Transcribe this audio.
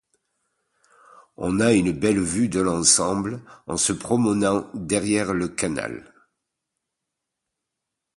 On a une belle vue de l'ensemble en se promenant derrière le Canal.